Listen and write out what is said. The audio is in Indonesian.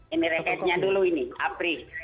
ini rakyatnya dulu ini apri